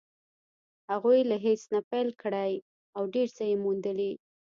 هغوی له هېڅ نه پيل کړی او ډېر څه يې موندلي.